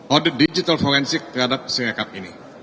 audit digital forensik terhadap sirekap ini